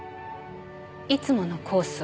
いつものコースを。